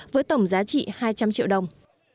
với tổng giá trị hai trăm linh triệu đồng